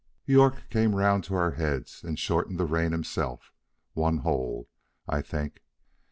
York came round to our heads and shortened the rein himself, one hole, I think.